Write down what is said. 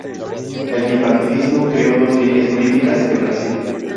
El bipartidismo creo dos líneas políticas en Brasil.